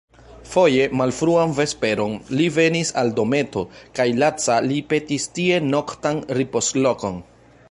Foje, malfruan vesperon, li venis al dometo, kaj laca li petis tie noktan ripozlokon.